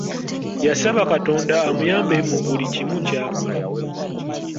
Yasaba katonda amuyambe mu buli kimu kyakola.